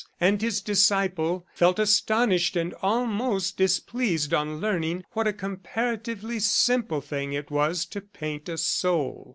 And his disciple, felt astonished and almost displeased on learning what a comparatively simple thing it was to paint a soul.